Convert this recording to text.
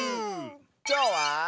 きょうは。